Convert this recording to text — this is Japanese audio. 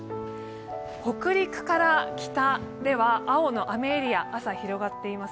北陸から北では青の雨エリア、朝広がっています。